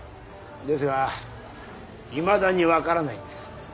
ですがいまだに分からないんです。